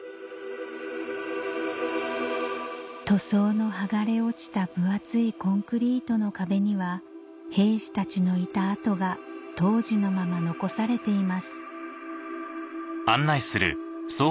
塗装の剥がれ落ちた分厚いコンクリートの壁には兵士たちのいた跡が当時のまま残されています